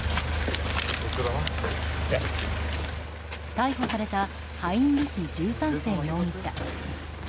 逮捕されたハインリヒ１３世容疑者。